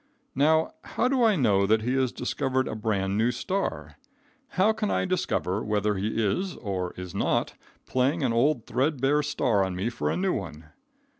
Now, how do I know that he has discovered a brand new star? How can I discover whether he is or is not playing an old, threadbare star on me for a new one?